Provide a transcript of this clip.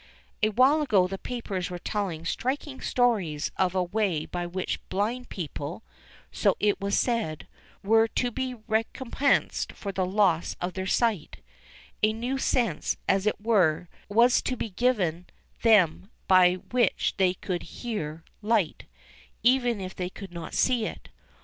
A while ago the papers were telling striking stories of a way by which blind people, so it was said, were to be recompensed for the loss of their sight a new sense, as it were, was to be given them by which they could "hear" light, even if they could not see it.